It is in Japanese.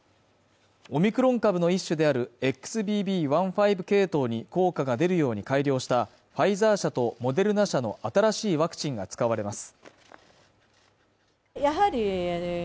オミクロン株の一種であるＸＢＢ．１．５系統に効果が出るように改良したファイザー社とモデルナ社の新しいワクチンが使われます